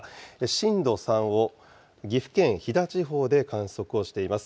震度３を岐阜県飛騨地方で観測をしています。